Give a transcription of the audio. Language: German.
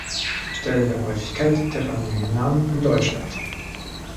Stelle der Häufigkeit der Familiennamen in Deutschland.